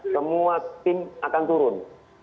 semua tim akan turun